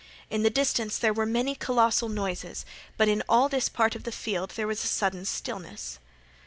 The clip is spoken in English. In the distance there were many colossal noises, but in all this part of the field there was a sudden stillness.